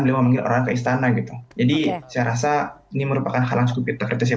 beliau memanggil orang ke istana gitu jadi saya rasa ini merupakan halang sekupit terkritis yang